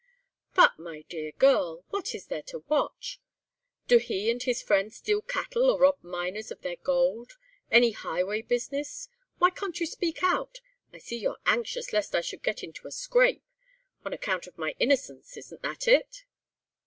"But, my dear girl, what is there to watch? Do he and his friends steal cattle or rob miners of their gold? Any highway business? Why can't you speak out? I see you're anxious lest I should get into a scrape; on account of my innocence, isn't that it?